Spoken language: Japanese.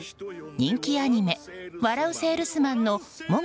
人気アニメ「笑ゥせぇるすまん」の喪黒